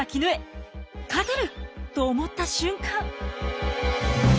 「勝てる！」と思った瞬間。